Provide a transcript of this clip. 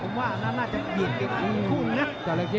ผมว่าน่าน่าจะเบียนอีกคู่หนึ่งนะ